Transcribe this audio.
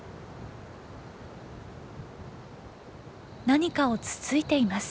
何かをつついています。